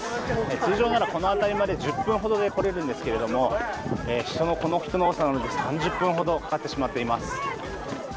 通常ならこの辺りまで１０分ほどで来れるんですがこの人の多さなので３０分ほどかかってしまっています。